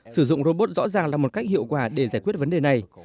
sử dụng robot rõ ràng là một cách hiệu quả để giải quyết vấn đề này